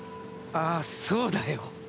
ああそうだよ。